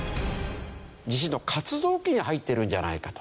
地震の活動期に入っているんじゃないかと。